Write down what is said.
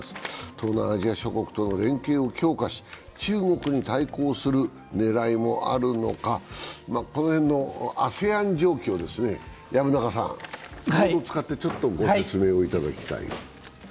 東南アジア諸国との連携を強化し中国に対抗する狙いもあるのか、この辺のＡＳＥＡＮ状況を薮中さん、ボードを使ってご説明をいただきたい。